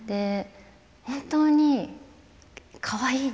本当にかわいい。